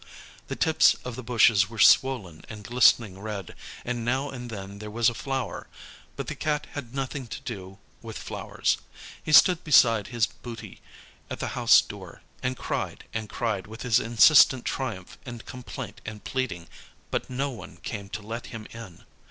The tips of the bushes were swollen and glistening red, and now and then there was a flower; but the Cat had nothing to do with flowers. He stood beside his booty at the house door, and cried and cried with his insistent triumph and complaint and pleading, but no one came to let him in.